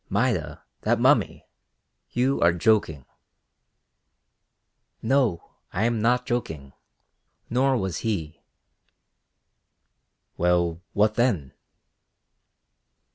"Maida, that mummy! You are joking." "No, I am not joking, nor was he." "Well, what then?"